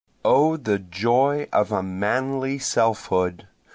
O the joy a manly self hood!